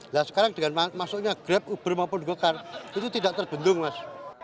nah sekarang dengan maksudnya grab uber maupun gokart itu tidak terbentung mas